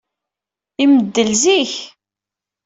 Imeddel zik.